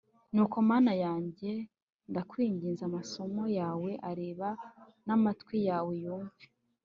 nuko mana yanjye, ndakwinginze, amaso yawe arebe, n'amatwi yawe yumve